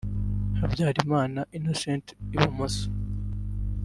Habyarimana Innocent (Ibumoso)